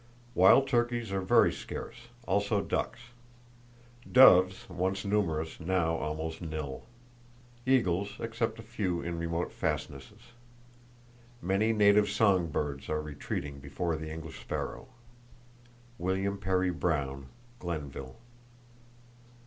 Wild turkeys are very scarce, also ducks. Doves, once numerous, now almost nil. Eagles, except a few in remote fastnesses. Many native song birds are retreating before the English sparrow.—(William Perry Brown, Glenville.)